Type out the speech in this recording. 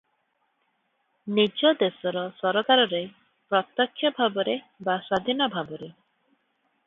ନିଜ ଦେଶର ସରକାରରେ ପ୍ରତ୍ୟକ୍ଷ ଭାବରେ ବା ସ୍ୱାଧୀନ ଭାବରେ ।